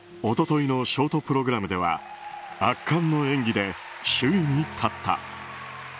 一昨日のショートプログラムでは圧巻の演技で首位に立った。